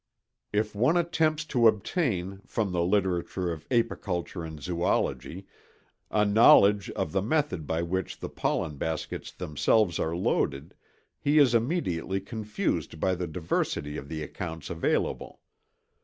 ] If one attempts to obtain, from the literature of apiculture and zoology, a knowledge of the method by which the pollen baskets themselves are loaded, he is immediately confused by the diversity of the accounts available.